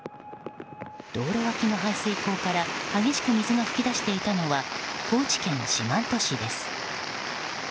道路脇の排水溝から激しく水が噴き出していたのは高知県四万十市です。